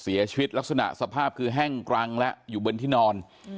เสียชีวิตลักษณะสภาพคือแห้งกรังแล้วอยู่บนที่นอน